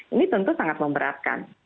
ini tentu sangat memberatkan